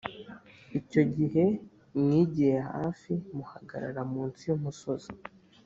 Icyo gihe mwigiye hafi muhagarara munsi y’umusozi.